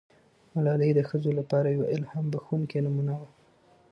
ملالۍ د ښځو لپاره یوه الهام بښونکې نمونه سوه.